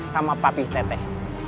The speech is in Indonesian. sama papi teteh